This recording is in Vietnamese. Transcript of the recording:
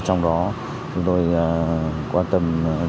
trong đó chúng tôi quan tâm